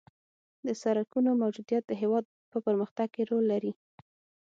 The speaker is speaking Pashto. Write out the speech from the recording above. د سرکونو موجودیت د هېواد په پرمختګ کې رول لري